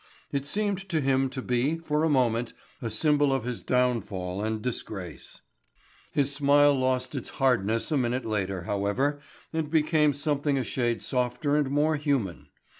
It seemed to him to be, for a moment, a symbol of his downfall and disgrace. His smile lost its hardness a minute later, however, and became something a shade softer and more human.